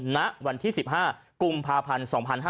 ณวันที่๑๕กุมภาพันธ์๒๕๕๙